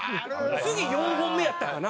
次４本目やったかな？